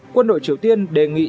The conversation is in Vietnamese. quân đội triều tiên đề nghị